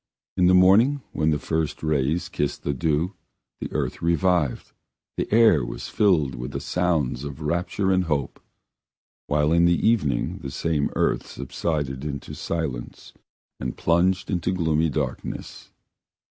In the morning, when the first rays kissed the dew, the earth revived, the air was filled with the sounds of rapture and hope; while in the evening the same earth subsided into silence and plunged into gloomy darkness.